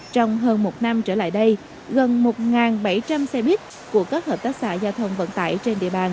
trong hơn một năm trở lại đây gần một bảy trăm linh xe bít của các hợp tác xã giao thông vận tải